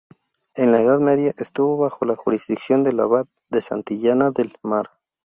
En la Edad Media estuvo bajo la jurisdicción del abad de Santillana del Mar.